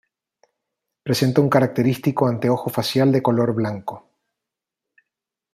Presenta un característico anteojo facial de color blanco.